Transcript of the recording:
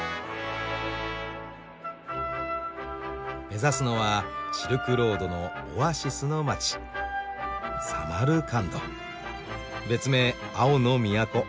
目指すのはシルクロードのオアシスの街別名「青の都」。